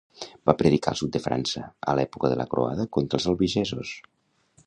Va predicar al sud de França a l'època de la croada contra els albigesos.